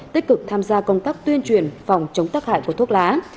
tích cực tham gia công tác tuyên truyền phòng chống tác hại của thuốc lá